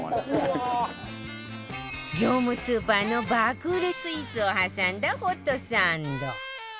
業務スーパーの爆売れスイーツを挟んだホットサンド